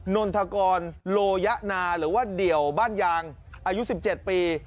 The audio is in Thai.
นนทกรโลยะนาหรือว่าเดี่ยวบ้านยางอายุ๑๗ปี